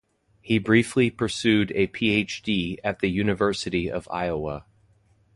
He briefly pursued a Ph.D. at the University of Iowa.